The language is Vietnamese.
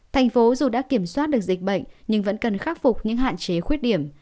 thành phố dù đã kiểm soát được dịch bệnh nhưng vẫn cần khắc phục những hạn chế khuyết điểm